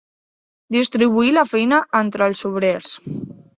Distribuir la feina entre els obrers.